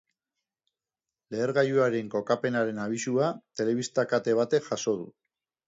Lehergailuaren kokapenaren abisua telebista kate batek jaso du.